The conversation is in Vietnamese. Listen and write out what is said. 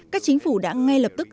các chính phủ đã ngay lập tức